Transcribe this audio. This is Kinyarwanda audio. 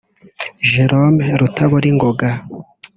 Jerome Rutaburingoga